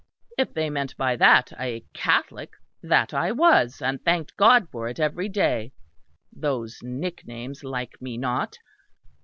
If they meant by that a Catholic, that I was, and thanked God for it every day (those nicknames like me not).